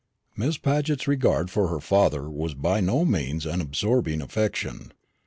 Miss Paget's regard for her father was by no means an absorbing affection.